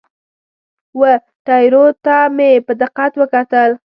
وه ټیرو ته مې په دقت وکتل.